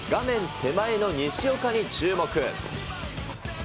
手前の西岡に注目。